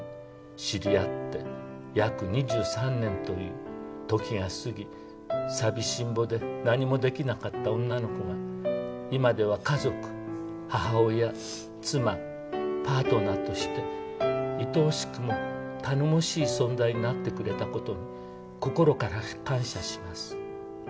「“知り合って約２３年という時が過ぎ寂しん坊で何もできなかった女の子が今では家族母親妻パートナーとしていとおしくも頼もしい存在になってくれた事に心から感謝します”」